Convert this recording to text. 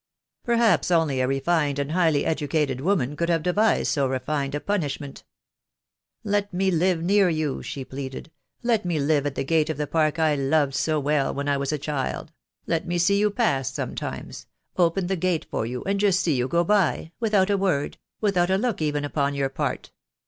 "Perhaps only a refined and highly educated woman could have devised so refined a punishment. 'Let me live near you/ she pleaded; 'let me live at the gate of the park I loved so well when I was a child — let me see you pass sometimes — open the gate for you and just see you go by — without a word, without a look even upon your part.